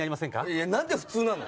いや何で普通なの？